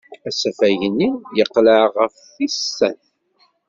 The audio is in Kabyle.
Asafag-nni yeqleɛ ɣef tis sat.